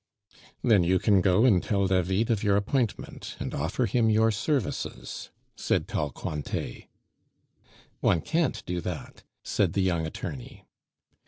"Then you can go and tell David of your appointment, and offer him your services," said tall Cointet. "One can't do that," said the young attorney.